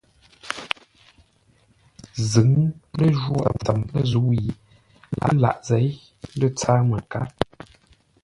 Zʉ̌ŋ ləjwôghʼ tsəm lə̂ zə̂u yi laʼ zěi lə̂ tsâr məkár.